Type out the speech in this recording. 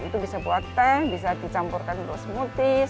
itu bisa buat tank bisa dicampurkan untuk smoothies